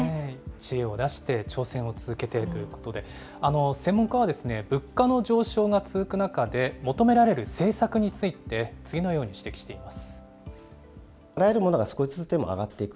知恵を出して挑戦を続けていくことで、専門家は、物価の上昇が続く中で、求められる政策について次のように指摘しています。